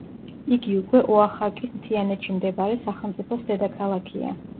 იგი უკვე ოახაკის მთიანეთში მდებარე სახელმწიფოს დედაქალაქია.